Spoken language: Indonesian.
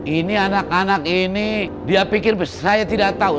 ini anak anak ini dia pikir saya tidak tahu